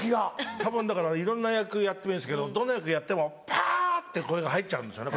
たぶんだからいろんな役やってもいいんですけどどの役やってもパァって声が入っちゃうんですよね。